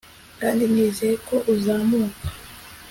Kandi nizeye ko uzamuka